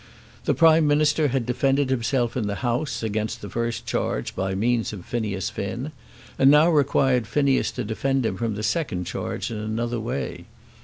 The Prime Minister had defended himself in the House against the first charge by means of Phineas Finn, and now required Phineas to defend him from the second charge in another way.